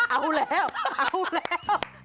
เอาแล้วเอาแล้ว